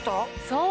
そう！